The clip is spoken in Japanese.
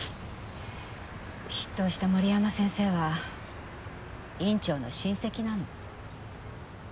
執刀した森山先生は院長の親戚なの。